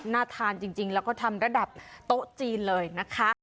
น่าทานจริงแล้วก็ทำระดับโต๊ะจีนเลยนะคะ